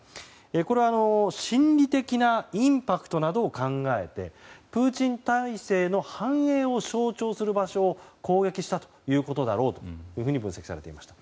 これは心理的なインパクトなどを考えてプーチン体制の繁栄を象徴する場所を攻撃したということだろうと分析されていました。